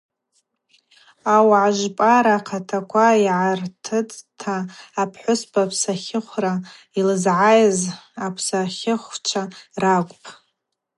Ауагӏа жвпӏара ахъатаква йгӏартыцӏта апхӏвыспа псатлыхвра йлызгӏайыз апсатлыхвчва ракӏвпӏ.